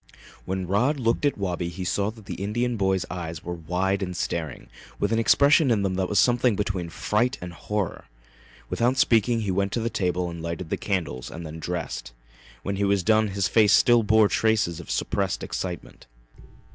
When Rod looked at Wabi he saw that the Indian boy's eyes were wide and staring, with an expression in them that was something between fright and horror. Without speaking he went to the table and lighted the candles and then dressed. When he was done his face still bore traces of suppressed excitement.